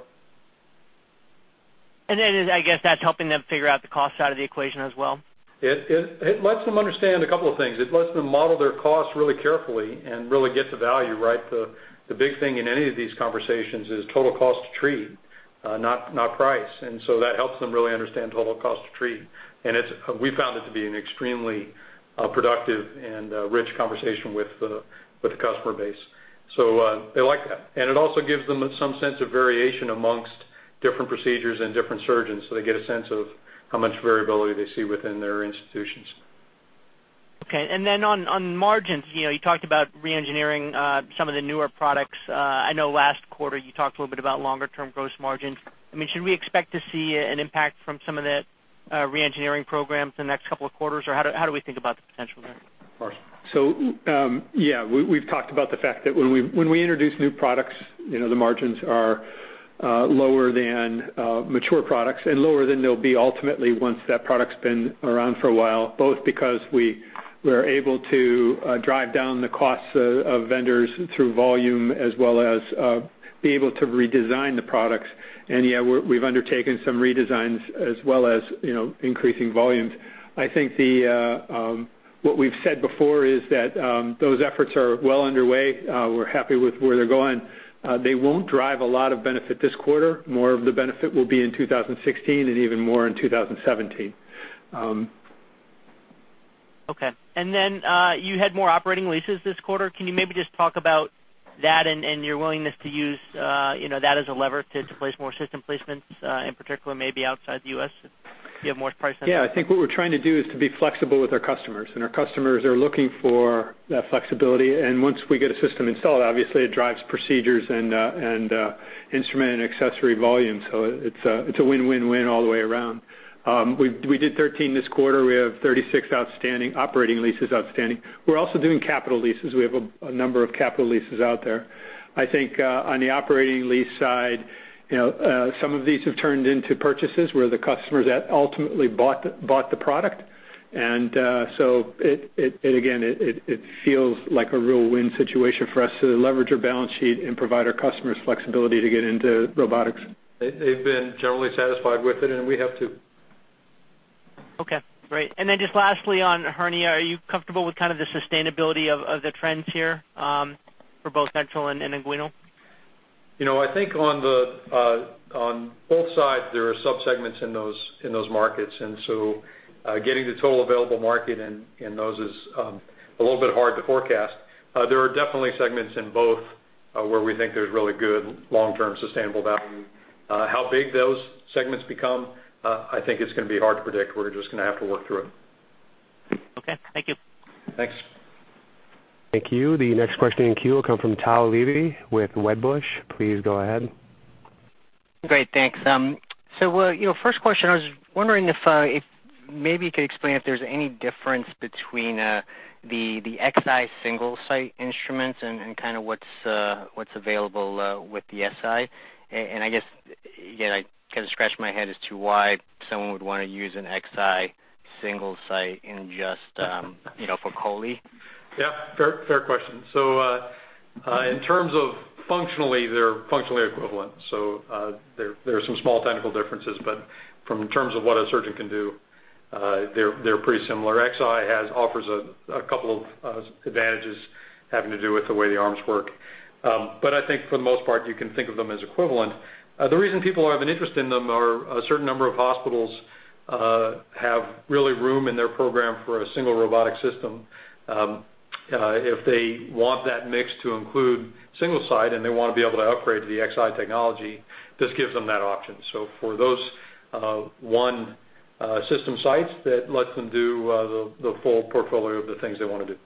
I guess that's helping them figure out the cost out of the equation as well. It lets them understand a couple of things. It lets them model their costs really carefully and really get the value right. The big thing in any of these conversations is total cost to treat, not price. That helps them really understand total cost to treat. We found it to be an extremely productive and rich conversation with the customer base. They like that. It also gives them some sense of variation amongst different procedures and different surgeons, so they get a sense of how much variability they see within their institutions. Okay. On margins, you talked about re-engineering some of the newer products. I know last quarter you talked a little bit about longer-term gross margins. Should we expect to see an impact from some of the re-engineering programs in the next couple of quarters? How do we think about the potential there? Of course. Yeah. We've talked about the fact that when we introduce new products, the margins are lower than mature products and lower than they'll be ultimately once that product's been around for a while, both because we We're able to drive down the costs of vendors through volume as well as be able to redesign the products. Yeah, we've undertaken some redesigns as well as increasing volumes. I think what we've said before is that those efforts are well underway. We're happy with where they're going. They won't drive a lot of benefit this quarter. More of the benefit will be in 2016 and even more in 2017. Okay. You had more operating leases this quarter. Can you maybe just talk about that and your willingness to use that as a lever to place more system placements, in particular, maybe outside the U.S., if you have more price on that? Yeah. I think what we're trying to do is to be flexible with our customers, our customers are looking for that flexibility. Once we get a system installed, obviously it drives procedures and instrument and accessory volume. It's a win-win-win all the way around. We did 13 this quarter. We have 36 operating leases outstanding. We're also doing capital leases. We have a number of capital leases out there. I think on the operating lease side, some of these have turned into purchases where the customers ultimately bought the product. Again, it feels like a real win situation for us to leverage our balance sheet and provide our customers flexibility to get into robotics. They've been generally satisfied with it, and we have too. Okay, great. Just lastly on hernia, are you comfortable with kind of the sustainability of the trends here for both ventral and inguinal? I think on both sides, there are sub-segments in those markets, and so getting the total available market in those is a little bit hard to forecast. There are definitely segments in both where we think there's really good long-term sustainable value. How big those segments become, I think it's going to be hard to predict. We're just going to have to work through it. Okay. Thank you. Thanks. Thank you. The next question in queue will come from Tal Levy with Wedbush. Please go ahead. Great. Thanks. First question, I was wondering if maybe you could explain if there's any difference between the da Vinci Xi Single-Site Instruments and kind of what's available with the da Vinci Si, and I guess, again, I kind of scratch my head as to why someone would want to use a da Vinci Xi single site in just for chole. Yeah. Fair question. In terms of functionally, they're functionally equivalent. There are some small technical differences, but from terms of what a surgeon can do, they're pretty similar. da Vinci Xi offers a couple of advantages having to do with the way the arms work. I think for the most part, you can think of them as equivalent. The reason people have an interest in them are a certain number of hospitals have really room in their program for a single robotic system. If they want that mix to include single site and they want to be able to upgrade to the da Vinci Xi technology, this gives them that option. For those one system sites, that lets them do the full portfolio of the things they want to do.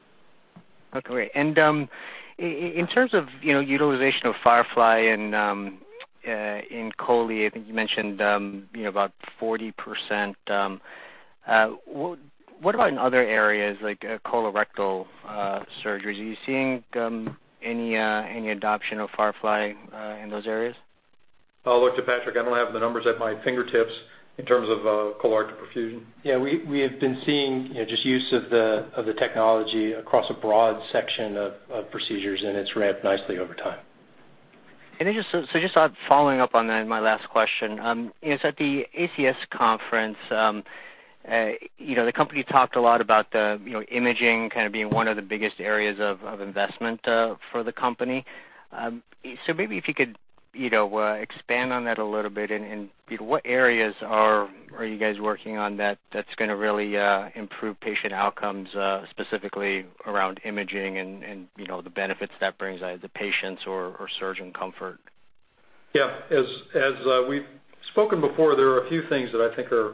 Okay, great. In terms of utilization of Firefly in chole, I think you mentioned about 40%. What about in other areas like colorectal surgeries? Are you seeing any adoption of Firefly in those areas? I'll look to Patrick. I don't have the numbers at my fingertips in terms of colorectal perfusion. Yeah, we have been seeing just use of the technology across a broad section of procedures, It's ramped nicely over time. Just following up on my last question, at the ACS conference, the company talked a lot about the imaging kind of being one of the biggest areas of investment for the company. Maybe if you could expand on that a little bit and what areas are you guys working on that's going to really improve patient outcomes, specifically around imaging and the benefits that brings either patients or surgeon comfort? Yeah. As we've spoken before, there are a few things that I think are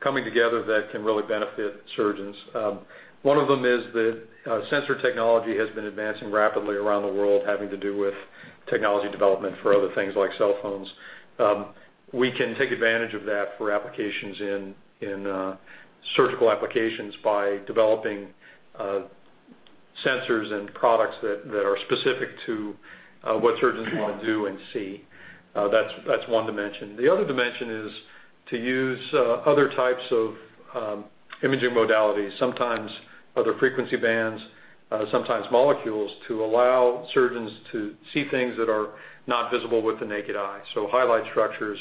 coming together that can really benefit surgeons. One of them is that sensor technology has been advancing rapidly around the world, having to do with technology development for other things like cell phones. We can take advantage of that for applications in surgical applications by developing sensors and products that are specific to what surgeons want to do and see. That's one dimension. The other dimension is to use other types of imaging modalities, sometimes other frequency bands, sometimes molecules, to allow surgeons to see things that are not visible with the naked eye. Highlight structures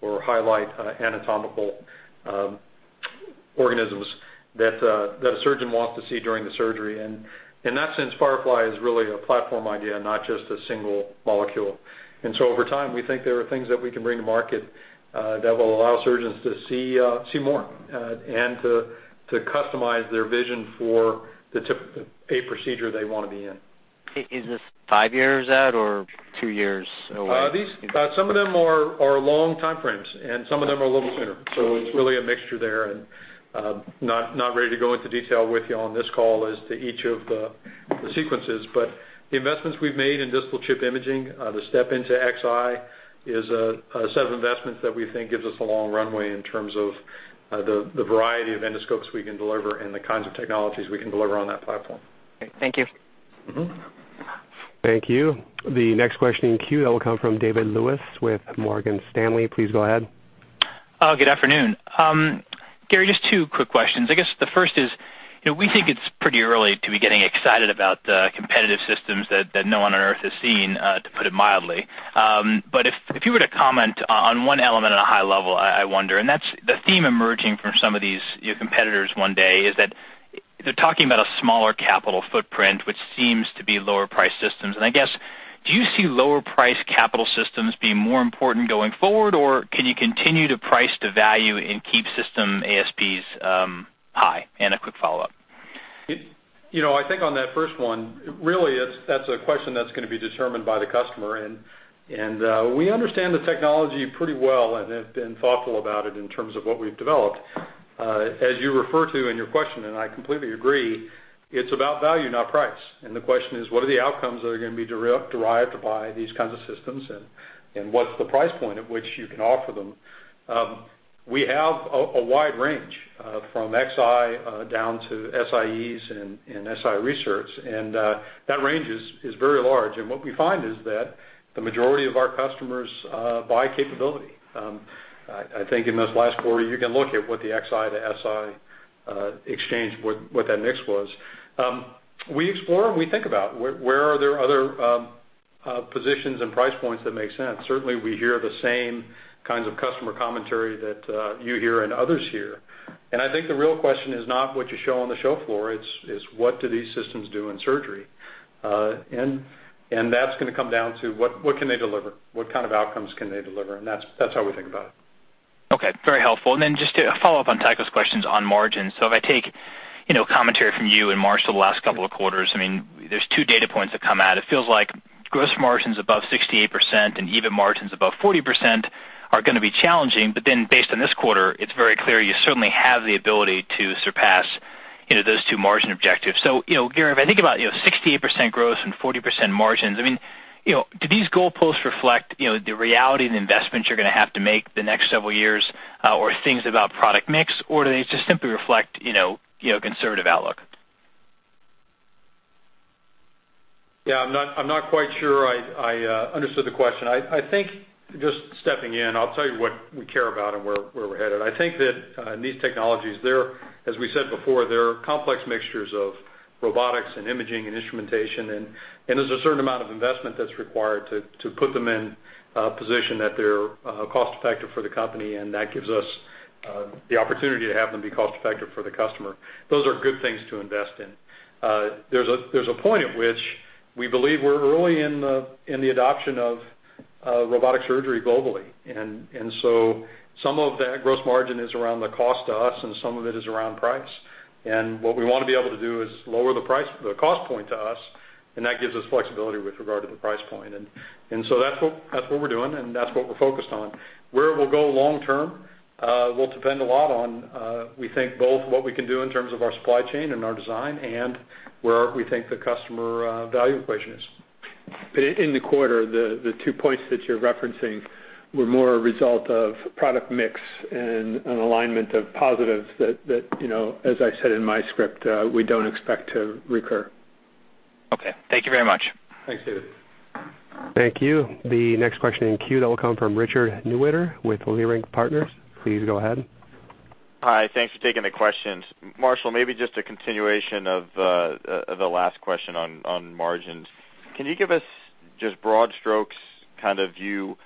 or highlight anatomical organisms that a surgeon wants to see during the surgery. In that sense, Firefly is really a platform idea, not just a single molecule. Over time, we think there are things that we can bring to market that will allow surgeons to see more and to customize their vision for a procedure they want to be in. Is this five years out or two years away? Some of them are long time frames, and some of them are a little sooner. It's really a mixture there, and not ready to go into detail with you on this call as to each of the sequences. The investments we've made in distal chip imaging, the step into Xi is a set of investments that we think gives us a long runway in terms of the variety of endoscopes we can deliver and the kinds of technologies we can deliver on that platform. Okay. Thank you. Thank you. The next question in queue, that will come from David Lewis with Morgan Stanley. Please go ahead. Good afternoon. Gary, just two quick questions. I guess the first is, we think it's pretty early to be getting excited about the competitive systems that no one on earth has seen, to put it mildly. If you were to comment on one element at a high level, I wonder, and that's the theme emerging from some of these competitors one day, is that they're talking about a smaller capital footprint, which seems to be lower priced systems. I guess, do you see lower priced capital systems being more important going forward? Or can you continue to price to value and keep system ASPs high? A quick follow-up. I think on that first one, really that's a question that's going to be determined by the customer. We understand the technology pretty well and have been thoughtful about it in terms of what we've developed. As you refer to in your question, and I completely agree, it's about value, not price. The question is, what are the outcomes that are going to be derived by these kinds of systems, and what's the price point at which you can offer them? We have a wide range, from Xi down to SIEs and SI Research, and that range is very large. What we find is that the majority of our customers buy capability. I think in this last quarter, you can look at what the Xi to SI exchange, what that mix was. We explore and we think about where are there other positions and price points that make sense. Certainly, we hear the same kinds of customer commentary that you hear and others hear. I think the real question is not what you show on the show floor, it's what do these systems do in surgery? That's going to come down to what can they deliver, what kind of outcomes can they deliver? That's how we think about it. Okay. Very helpful. Just to follow up on Tycho's questions on margins. If I take commentary from you and Marshall the last couple of quarters, there's two data points that come out. It feels like gross margins above 68% and EBIT margins above 40% are going to be challenging. Based on this quarter, it's very clear you certainly have the ability to surpass those two margins objectives. Gary, if I think about 68% gross and 40% margins, do these goalposts reflect the reality of the investments you're going to have to make the next several years, or things about product mix? Or do they just simply reflect conservative outlook? Yeah, I'm not quite sure I understood the question. Just stepping in, I'll tell you what we care about and where we're headed. These technologies, as we said before, they're complex mixtures of robotics and imaging and instrumentation, and there's a certain amount of investment that's required to put them in a position that they're cost-effective for the company, and that gives us the opportunity to have them be cost-effective for the customer. Those are good things to invest in. There's a point at which we believe we're early in the adoption of robotic surgery globally. Some of that gross margin is around the cost to us, and some of it is around price. What we want to be able to do is lower the cost point to us, and that gives us flexibility with regard to the price point. That's what we're doing, and that's what we're focused on. Where we'll go long term will depend a lot on, we think both what we can do in terms of our supply chain and our design and where we think the customer value equation is. In the quarter, the 2 points that you're referencing were more a result of product mix and an alignment of positives that, as I said in my script, we don't expect to recur. Okay. Thank you very much. Thanks, David. Thank you. The next question in queue, that will come from Richard Newitter with Leerink Partners. Please go ahead. Hi. Thanks for taking the questions. Marshall, maybe just a continuation of the last question on margins. Can you give us just broad strokes kind of view,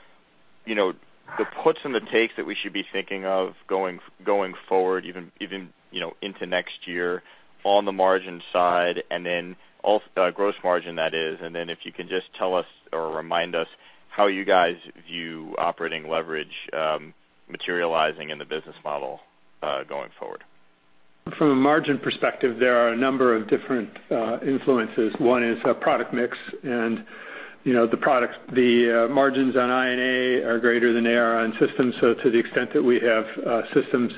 the puts and the takes that we should be thinking of going forward, even into next year on the margin side, and then gross margin that is, and then if you can just tell us or remind us how you guys view operating leverage materializing in the business model, going forward. From a margin perspective, there are a number of different influences. One is product mix, and the margins on I&A are greater than they are on systems. To the extent that we have systems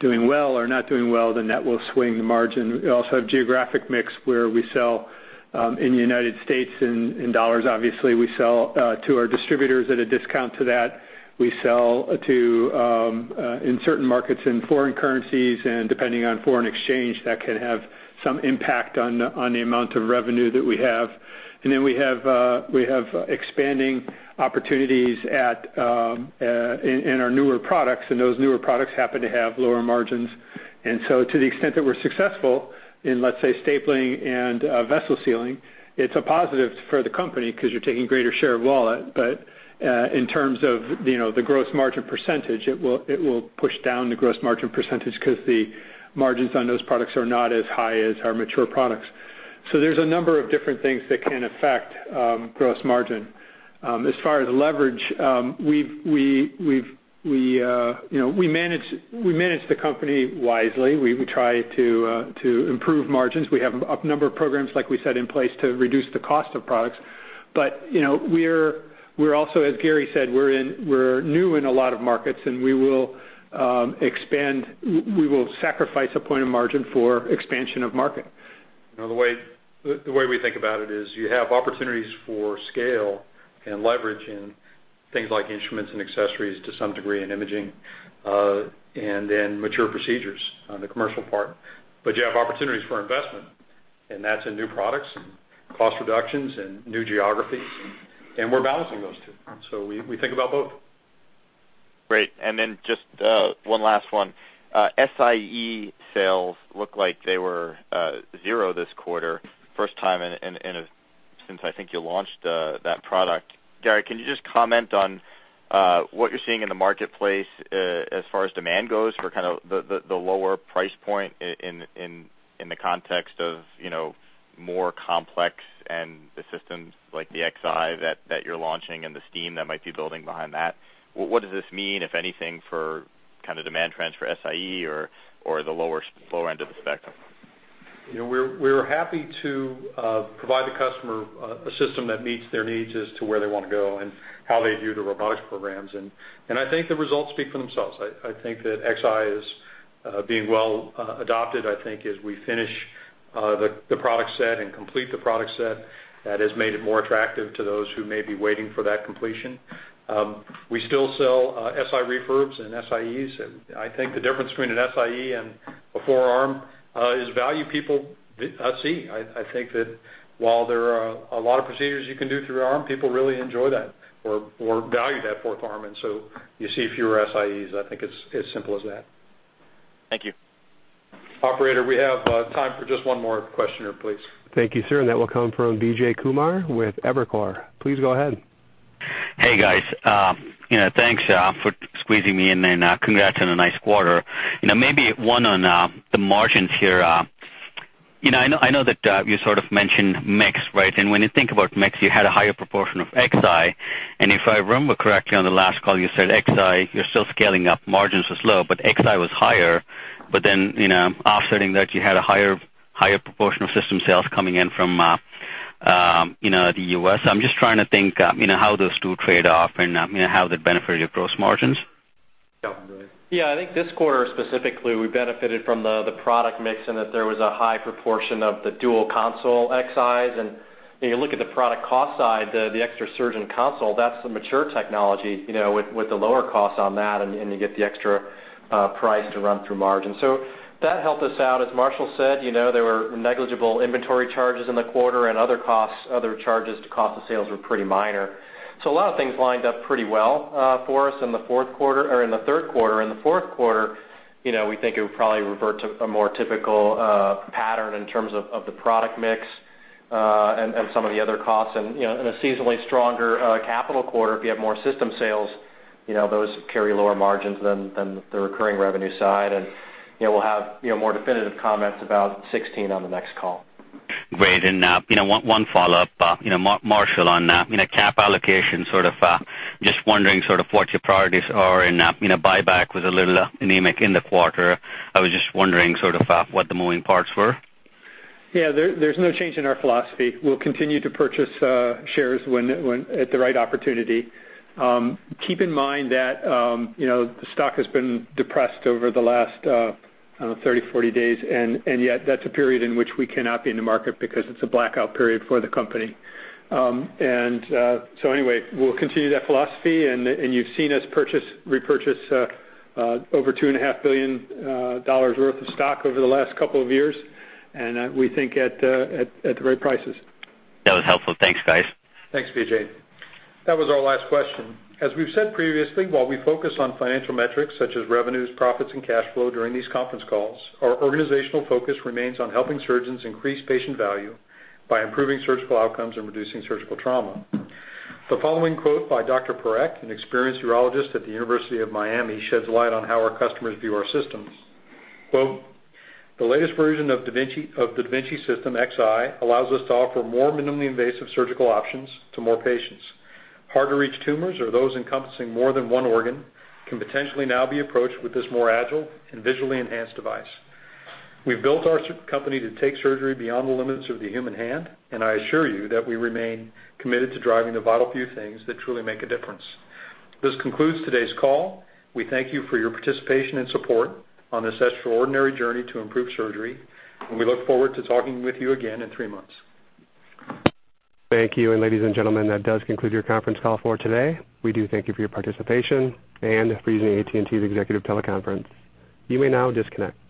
doing well or not doing well, then that will swing the margin. We also have geographic mix where we sell in the U.S. in dollars, obviously. We sell to our distributors at a discount to that. We sell in certain markets in foreign currencies, and depending on foreign exchange, that can have some impact on the amount of revenue that we have. We have expanding opportunities in our newer products, and those newer products happen to have lower margins. To the extent that we're successful in, let's say, stapling and vessel sealing, it's a positive for the company because you're taking greater share of wallet. In terms of the gross margin percentage, it will push down the gross margin percentage because the margins on those products are not as high as our mature products. There's a number of different things that can affect gross margin. As far as leverage, we manage the company wisely. We try to improve margins. We have a number of programs, like we said, in place to reduce the cost of products. We're also, as Gary said, we're new in a lot of markets, and we will sacrifice a point of margin for expansion of market. The way we think about it is you have opportunities for scale Can leverage in things like I&A to some degree in imaging, and then mature procedures on the commercial part. You have opportunities for investment, and that's in new products and cost reductions and new geographies, and we're balancing those two. We think about both. Great. Just one last one. da Vinci Si-e sales look like they were zero this quarter, first time since I think you launched that product. Gary, can you just comment on what you're seeing in the marketplace as far as demand goes for kind of the lower price point in the context of more complex and the systems like the da Vinci Xi that you're launching and the steam that might be building behind that. What does this mean, if anything, for kind of demand trends for da Vinci Si-e or the lower end of the spectrum? We're happy to provide the customer a system that meets their needs as to where they want to go and how they view the robotics programs. I think the results speak for themselves. I think that da Vinci Xi is being well adopted. I think as we finish the product set and complete the product set, that has made it more attractive to those who may be waiting for that completion. We still sell da Vinci Si refurbs and da Vinci Si-es. I think the difference between a da Vinci Si-e and a four-arm is value people see. I think that while there are a lot of procedures you can do three-arm, people really enjoy that or value that fourth arm. So you see fewer da Vinci Si-es. I think it's as simple as that. Thank you. Operator, we have time for just one more questioner, please. Thank you, sir. That will come from Vijay Kumar with Evercore. Please go ahead. Hey, guys. Thanks for squeezing me in, and congrats on a nice quarter. Maybe one on the margins here. I know that you sort of mentioned mix, right? When you think about mix, you had a higher proportion of XI. If I remember correctly on the last call, you said XI, you're still scaling up. Margins are slow, but XI was higher. Offsetting that, you had a higher proportion of system sales coming in from the U.S. I'm just trying to think how those two trade off and how they benefit your gross margins. Yeah. I think this quarter specifically, we benefited from the product mix and that there was a high proportion of the dual console XIs. When you look at the product cost side, the extra surgeon console, that's the mature technology, with the lower cost on that, and you get the extra price to run through margin. That helped us out. As Marshall said, there were negligible inventory charges in the quarter and other charges to cost of sales were pretty minor. A lot of things lined up pretty well for us in the third quarter. In the fourth quarter, we think it would probably revert to a more typical pattern in terms of the product mix, and some of the other costs. In a seasonally stronger capital quarter, if you have more system sales, those carry lower margins than the recurring revenue side. We'll have more definitive comments about 2016 on the next call. One follow-up. Marshall, on cap allocation, sort of just wondering sort of what your priorities are. Buyback was a little anemic in the quarter. I was just wondering sort of what the moving parts were. Yeah. There's no change in our philosophy. We'll continue to purchase shares at the right opportunity. Keep in mind that the stock has been depressed over the last 30, 40 days. Yet that's a period in which we cannot be in the market because it's a blackout period for the company. Anyway, we'll continue that philosophy. You've seen us repurchase over $2.5 billion worth of stock over the last couple of years, and we think at the right prices. That was helpful. Thanks, guys. Thanks, Vijay. That was our last question. As we've said previously, while we focus on financial metrics such as revenues, profits, and cash flow during these conference calls, our organizational focus remains on helping surgeons increase patient value by improving surgical outcomes and reducing surgical trauma. The following quote by Dr. Parekh, an experienced urologist at the University of Miami, sheds light on how our customers view our systems. Quote, "The latest version of the da Vinci Xi system allows us to offer more minimally invasive surgical options to more patients. Hard-to-reach tumors or those encompassing more than one organ can potentially now be approached with this more agile and visually enhanced device." We've built our company to take surgery beyond the limits of the human hand. I assure you that we remain committed to driving the vital few things that truly make a difference. This concludes today's call. We thank you for your participation and support on this extraordinary journey to improve surgery. We look forward to talking with you again in three months. Thank you. Ladies and gentlemen, that does conclude your conference call for today. We do thank you for your participation and for using AT&T's executive teleconference. You may now disconnect.